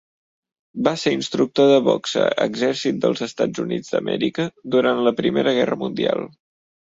Va ser instructor de boxa Exèrcit dels Estats Units d'Amèrica durant la Primera Guerra Mundial.